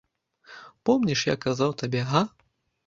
Помніш, я казаў табе, га?